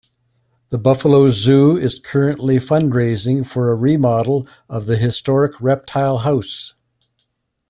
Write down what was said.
The Buffalo Zoo is currently fundraising for a remodel of the historic Reptile House.